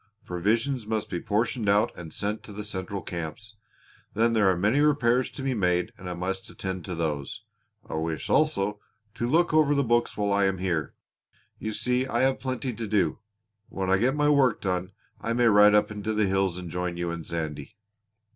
Provisions must be portioned out and sent to the central camps. Then there are many repairs to be made and I must attend to those. I wish, also, to look over the books while I am here. You see I have plenty to do. When I get my work done I may ride up into the hills and join you and Sandy."